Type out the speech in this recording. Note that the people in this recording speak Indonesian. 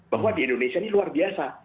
bahwa di indonesia ini luar biasa